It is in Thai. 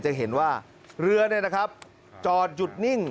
จะเห็นว่าเรือจอดหยุดนิ่ง